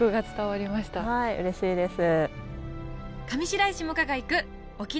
うれしいです。